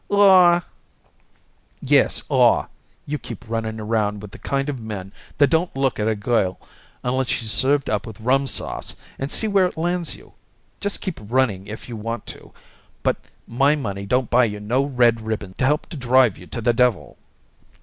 "Aw!" "Yes, 'aw'! You keep running around with the kind of men that don't look at a girl unless she's served up with rum sauce and see where it lands you. Just keep running if you want to, but my money don't buy you no red ribbons to help to drive you to the devil!"